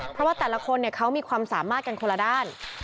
เพราะว่าแต่ละคนเขามีความสามารถกันคนละด้าน